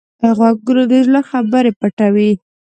غوږونه د زړه خبرې پټوي